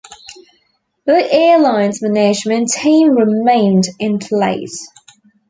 The airline's management team remained in place.